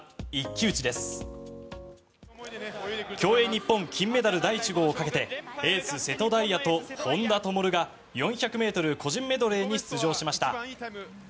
日本金メダル第１号をかけてエース、瀬戸大也と本多灯が４００ｍ個人メドレーに出場しました。